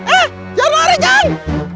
eh jangan lari jangan